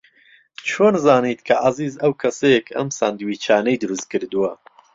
چۆن زانیت کە عەزیز ئەو کەسەیە کە ئەم ساندویچانەی دروست کردووە؟